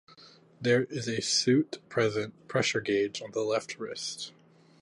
There is a suit pressure gauge on the left wrist.